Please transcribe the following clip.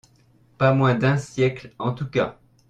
Pas moins d’un siècle, en tout cas.